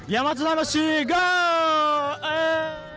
ยามาโตธัมมาชิก็อร์เอ้ย